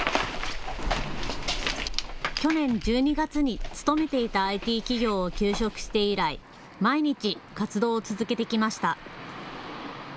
去年１２月に勤めていたＩＴ企業を休職して以来、毎日、活動を続けてきました。